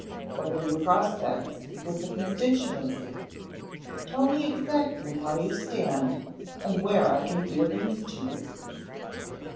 What are your prospects with the constituency? Tell me exactly how you stand, and where I can be of use to you."